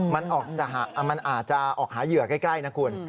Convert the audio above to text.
มันอาจจะออกหาเหยื่อใกล้นะคุณ